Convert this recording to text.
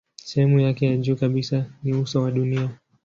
Sehemu yake ya juu kabisa ni uso wa dunia.